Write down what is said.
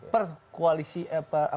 yang belum mencalonkan